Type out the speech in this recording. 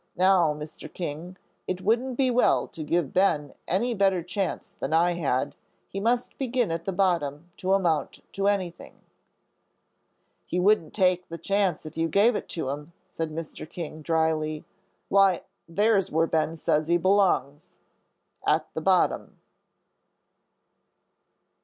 Now, Mr. King, it wouldn't be well to give Ben any better chance than I had. He must begin at the bottom to amount to anything." "He wouldn't take the chance if you gave it to him," said Mr. King, dryly. "Why, there's where Ben says he belongs at the bottom."